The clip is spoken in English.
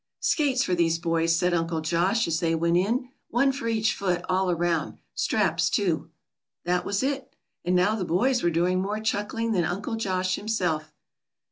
"Skates for these boys," said Uncle Josh, as they went in. "One for each foot, all around. Straps too." That was it, and now the boys were doing more chuckling than Uncle Josh himself.